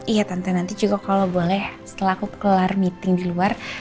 iya tante nanti juga kalau boleh setelah aku kelar meeting di luar